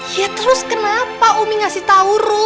ya terus kenapa umi ngasih tau